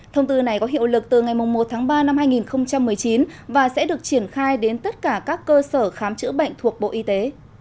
thông tư này có hiệu lực từ ngày một tháng ba năm hai nghìn một mươi chín và sẽ được triển khai đến tất cả các cơ sở khám chữa bệnh thuộc bộ y tế